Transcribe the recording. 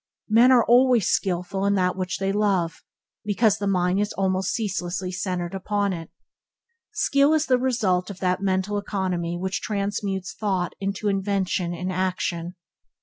Men are always skillful in that which they love, because the mind is almost ceaselessly centered upon it. Skill is the result of that mental economy which transmutes thought into invention and action.